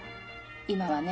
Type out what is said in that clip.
今はね